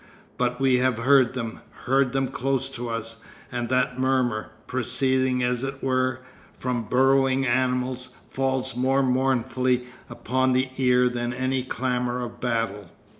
But we have heard them, heard them close to us, and that murmur, proceeding, as it were, from burrowing animals, falls more mournfully upon the ear than any clamour of battle.